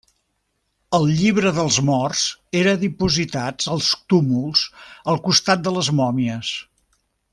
El Llibre dels Morts eren dipositats als túmuls al costat de les mòmies.